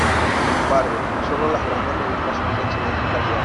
Sin embargo, no solo las grandes revistas son de excelente calidad.